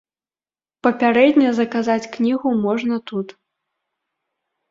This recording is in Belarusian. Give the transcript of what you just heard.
Папярэдне заказаць кнігу можна тут.